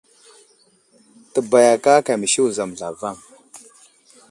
Təbayaka ákà məsi wuzam zlavaŋ.